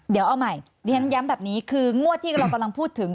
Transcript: เดี๋ยวเอาใหม่ดิฉันย้ำแบบนี้คืองวดที่เรากำลังพูดถึง